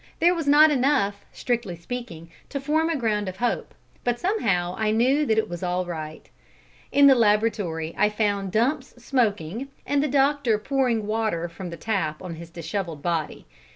There was not enough, strictly speaking, to form a ground of hope; but somehow I knew that it was all right. In the laboratory I found Dumps smoking, and the doctor pouring water from the tap on his dishevelled body.